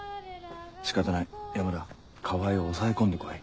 仕方ない山田川合を抑え込んで来い。